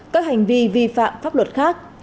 các hành vi vi phạm pháp luật khác